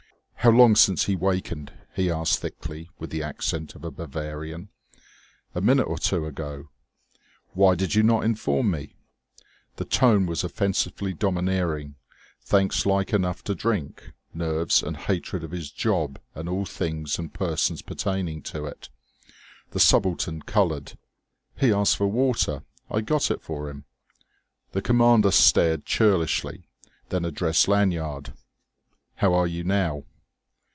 "How long since he wakened?" he asked thickly, with the accent of a Bavarian. "A minute or two ago." "Why did you not inform me?" The tone was offensively domineering, thanks like enough to drink, nerves, and hatred of his job and all things and persons pertaining to it. The subaltern coloured. "He asked for water I got it for him." The commander stared churlishly, then addressed Lanyard: "How are you now?"